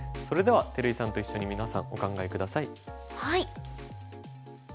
それでは照井さんと一緒に皆さんお考え下さい。